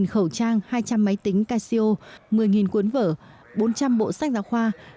một mươi khẩu trang hai trăm linh máy tính casio một mươi cuốn vở bốn trăm linh bộ sách giáo khoa